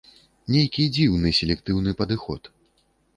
Нейкі дзіўны селектыўны падыход.